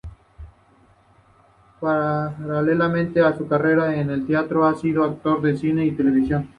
Paralelamente a su carrera en teatro, ha sido actor en cine y televisión.